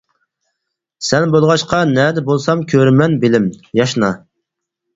سەن بولغاچقا نەدە بولسام كۆرىمەن بىلىم، ياشنا!